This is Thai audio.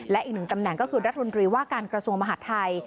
และอีกหนึ่งตำแหน่งก็คือรัฐมนตรีว่าการกระทรวงมหาดไทย